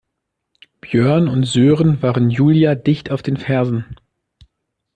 Björn und Sören waren Julia dicht auf den Fersen.